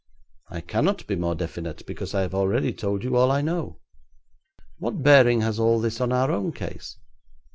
'I cannot be more definite, because I have already told you all I know.' 'What bearing has all this on our own case?'